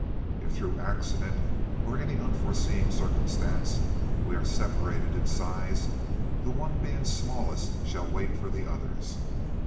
"If through accident or any unforeseen circumstance we are separated in size, the one being smallest shall wait for the others.